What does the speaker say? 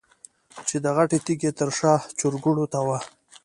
چې د غټې تيږې تر شا چرګوړو ته وه.